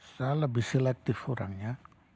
saya lebih selektif orangnya